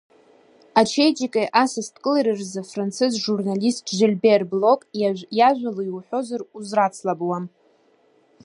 Ачеиџьыкеи, асасдкылареи рзы, афранцыз журналист Жильбер Блок иажәала иуҳәозар, узрацлабуам.